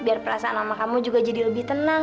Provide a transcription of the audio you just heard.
biar perasaan sama kamu juga jadi lebih tenang